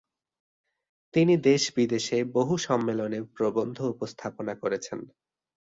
তিনি দেশ-বিদেশে বহু সম্মেলনে প্রবন্ধ উপস্থাপনা করেছেন।